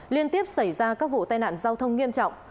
liên tiếp xảy ra các vụ tai nạn giao thông nghiêm trọng